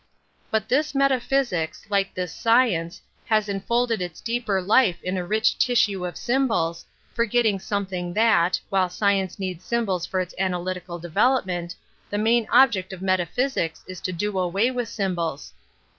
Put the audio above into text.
But this metaphysics, like this science, ^\ has enfolded its deeper life in a rich tissue ^ of symbols, forgetting something that, while ./ science needs symbols for its analytical de velopment, the main object of metaphysics is to do away with symbols.